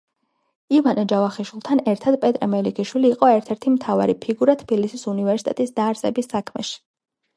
ივანე ჯავახიშვილთან ერთად პეტრე მელიქიშვილი იყო ერთ-ერთი მთავარი ფიგურა თბილისის უნივერსიტეტის დაარსების საქმეში.